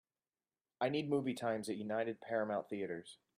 I need movie times at United Paramount Theatres